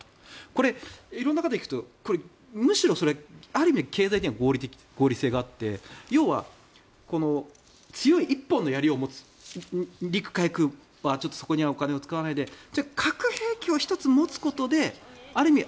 これ、色んな方に聞くとある意味、経済的には合理性があって要は強い１本のやりを持つ陸海空はそこにお金を使わないで核兵器を１つ持つことである意味